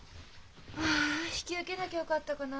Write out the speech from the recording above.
ああ引き受けなきゃよかったかな。